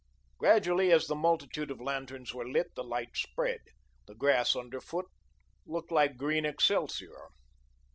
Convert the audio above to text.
Gradually as the multitude of lanterns were lit, the light spread. The grass underfoot looked like green excelsior.